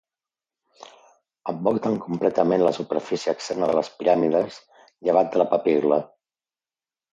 Envolten completament la superfície externa de les piràmides, llevat de la papil·la.